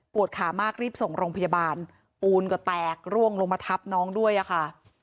ขามากรีบส่งโรงพยาบาลปูนก็แตกร่วงลงมาทับน้องด้วยอะค่ะ